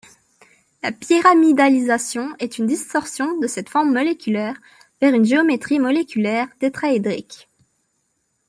La pyramidalisation est une distorsion de cette forme moléculaire vers une géométrie moléculaire tétraédrique.